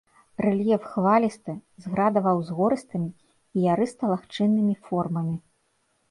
Рэльеф хвалісты з градава-ўзгорыстымі і ярыста-лагчыннымі формамі.